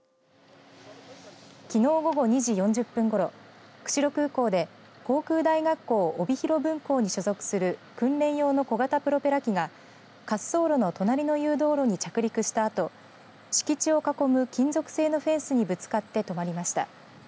きのう午後２時４０分ごろ釧路空港で航空大学校帯広分校に所属する訓練用の小型プロペラ機が滑走路の隣の誘導路に着陸したあと敷地を囲む金属製のフェンスにぶつかって止まりました。